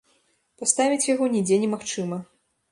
Паставіць яго нідзе не магчыма.